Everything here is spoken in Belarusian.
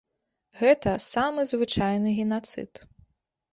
Гэта самы звычайны генацыд.